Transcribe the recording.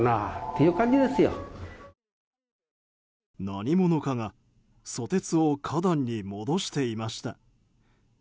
何者かがソテツを花壇に戻していました。